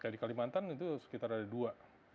kayak di kalimantan itu sekitar ada dua